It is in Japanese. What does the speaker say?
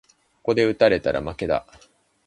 ここで打たれたら負けだ